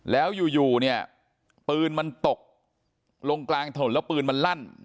แล้วอยู่เนี่ยปืนมันตกลงกลางถนนแล้วปืนมันลั่น